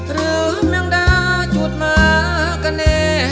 หรือแม่งด้าจุดมากันเอง